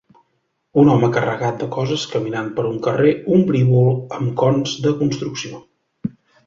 Un home carregat de coses caminant per un carrer ombrívol amb cons de construcció.